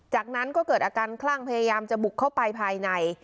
จากนั้นก็เกิดอาการคลั่งพยายามจะบุกเข้าไปภายใน